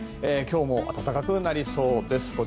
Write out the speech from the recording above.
今日も暖かくなりそうです。